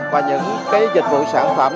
và những dịch vụ sản phẩm